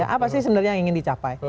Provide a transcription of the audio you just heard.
apa sih sebenarnya yang ingin dicapai